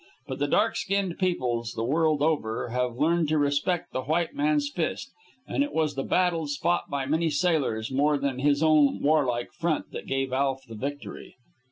But the dark skinned peoples, the world over, have learned to respect the white man's fist; and it was the battles fought by many sailors, more than his own warlike front, that gave Alf the victory.